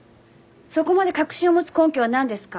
そこまで確信を持つ根拠は何ですか？